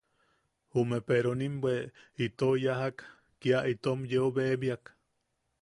Jume peronim bwe itou yajak, kia itom yeu bebakan.